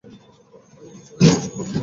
তুমি কি চলে যাচ্ছো?